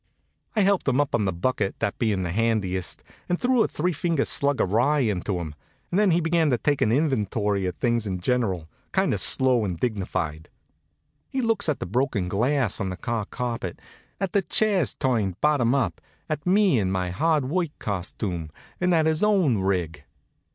I helped him up on the bucket, that being handiest, and threw a three finger slug of rye into him, and then he began to take an inventory of things in general, kind of slow and dignified. He looks at the broken glass on the car carpet, at the chairs turned bottom up, at me in my hard work costume, and at his own rig.